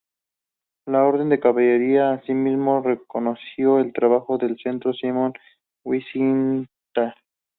La orden de caballería asimismo reconoció el trabajo del Centro Simon Wiesenthal.